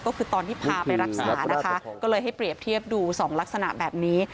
ก็คือตอนที่พาไปรักษานะคะก็เลยให้เปรียบเทียบดูสองลักษณะแบบนี้